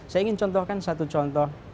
saya ingin contohkan satu contoh